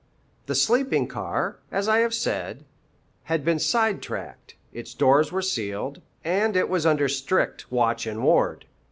The sleeping car, as I have said, had been side tracked, its doors were sealed, and it was under strict watch and ward.